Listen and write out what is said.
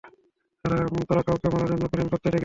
তোরা- তোরা কাউকে মারার জন্য প্ল্যান করে ডেকে আনিস?